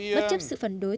bất chấp sự phản đối